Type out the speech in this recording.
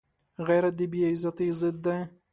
غیرت د بې عزتۍ ضد دی